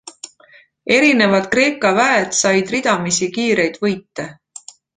Erinevad Kreeka väed said ridamisi kiireid võite.